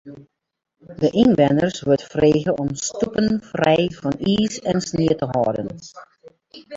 De ynwenners wurdt frege om stoepen frij fan iis en snie te hâlden.